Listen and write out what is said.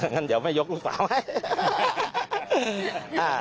งั้นเดี๋ยวไม่ยกลูกสาวให้